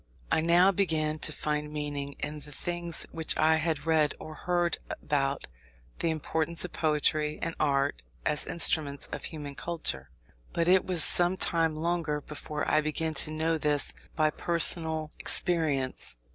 I now began to find meaning in the things, which I had read or heard about the importance of poetry and art as instruments of human culture. But it was some time longer before I began to know this by personal experience.